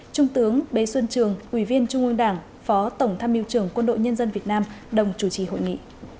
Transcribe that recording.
trung tướng bế xuân trường ủy viên trung ương đảng phó tổng tham mưu trưởng quân đội nhân dân việt nam đồng chủ trì hội nghị